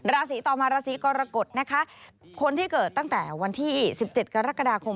ราศีต่อมาราศีกรกฎนะคะคนที่เกิดตั้งแต่วันที่๑๗กรกฎาคม